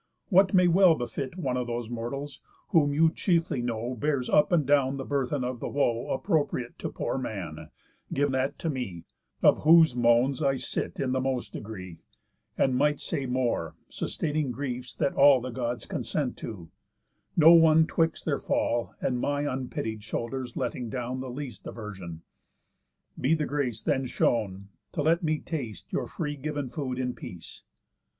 What may well befit One of those mortals, whom you chiefly know Bears up and down the burthen of the woe Appropriate to poor man, give that to me; Of whose moans I sit in the most degree, And might say more, sustaining griefs that all The Gods consent to; no one 'twixt their fall And my unpitied shoulders letting down The least diversion. Be the grace then shown, To let me taste your free giv'n food in peace.